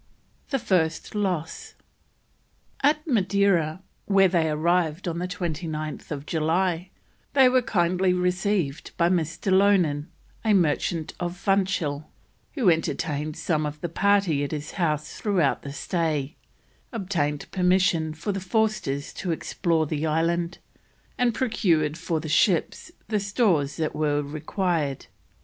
THE FIRST LOSS. At Madeira, where they arrived on 29th July, they were kindly received by Mr. Loughnan, a merchant of Funchal, who entertained some of the party at his house throughout the stay, obtained permission for the Forsters to explore the island, and procured for the ships the stores that were required.